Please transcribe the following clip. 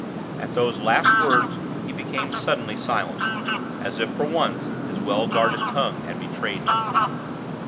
At those last words he became suddenly silent, as if for once his well guarded tongue had betrayed him.